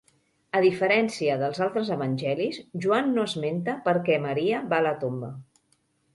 A diferència dels altres evangelis, Joan no esmenta per què Maria va a la tomba.